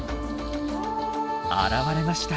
現れました。